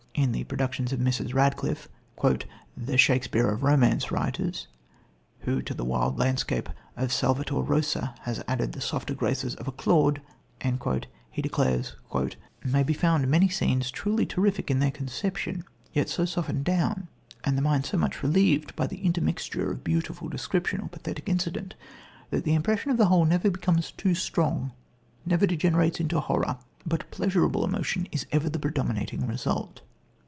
In the productions of Mrs. Radcliffe, "the Shakespeare of Romance Writers, who to the wild landscape of Salvator Rosa has added the softer graces of a Claude," he declares, "may be found many scenes truly terrific in their conception, yet so softened down, and the mind so much relieved, by the intermixture of beautiful description, or pathetic incident, that the impression of the whole never becomes too strong, never degenerates into horror, but pleasurable emotion is ever the predominating result."